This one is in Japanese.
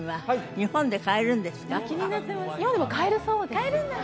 日本でも買えるそうです